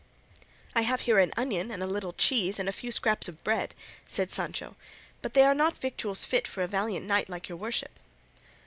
"I have here an onion and a little cheese and a few scraps of bread," said Sancho, "but they are not victuals fit for a valiant knight like your worship."